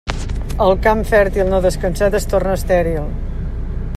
El camp fèrtil no descansat es torna estèril.